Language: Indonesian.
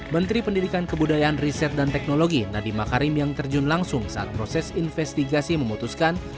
menteri pendidikan kebudayaan riset dan teknologi nadiem makarim yang terjun langsung saat proses investigasi memutuskan